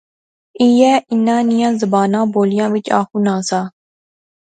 ایہھے انیں نیاں زباناں بولیا وچ آخنونا سا